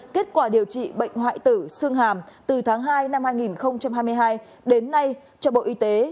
kết quả điều trị bệnh hoại tử xương hàm từ tháng hai năm hai nghìn hai mươi hai đến nay cho bộ y tế